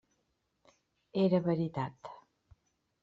Era veritat.